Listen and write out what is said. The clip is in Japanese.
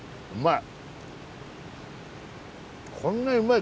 うまい。